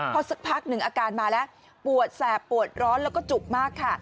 พอสักพักหนึ่งอาการมาแล้วปวดแสบปวดร้อนแล้วก็จุกมากค่ะ